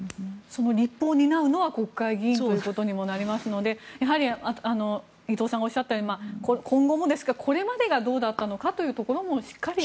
その立法を担うのは国会議員ということにもなりますので伊藤さんがおっしゃったように今後もですがこれまでがどうだったのかもしっかり。